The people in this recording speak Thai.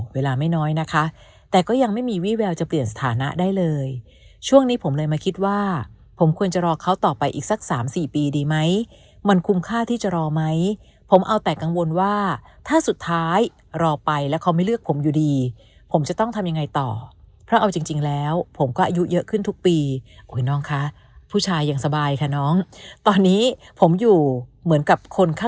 เวลาไม่น้อยนะคะแต่ก็ยังไม่มีวี่แววจะเปลี่ยนสถานะได้เลยช่วงนี้ผมเลยมาคิดว่าผมควรจะรอเขาต่อไปอีกสักสามสี่ปีดีไหมมันคุ้มค่าที่จะรอไหมผมเอาแต่กังวลว่าถ้าสุดท้ายรอไปแล้วเขาไม่เลือกผมอยู่ดีผมจะต้องทำยังไงต่อเพราะเอาจริงแล้วผมก็อายุเยอะขึ้นทุกปีอุ้ยน้องคะผู้ชายยังสบายค่ะน้องตอนนี้ผมอยู่เหมือนกับคนค